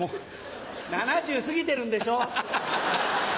７０過ぎてるんでしょ！